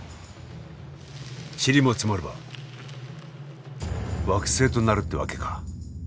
チリも積もれば惑星となるってわけか。